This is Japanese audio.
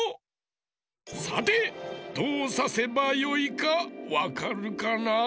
さてどうさせばよいかわかるかな？